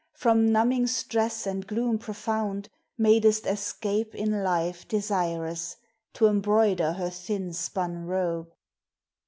From numbing stress and gloom profound Madest escape in life desirous To embroider her thin spun robe.